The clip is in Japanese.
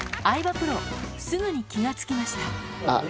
プロすぐに気が付きましたあっ